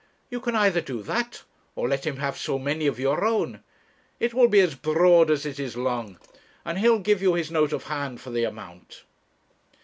You can either do that, or let him have so many of your own; it will be as broad as it is long; and he'll give you his note of hand for the amount.'